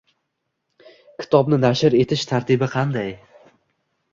Kitobni nashr etish tartibi qanday?